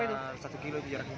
sekitar satu kilometer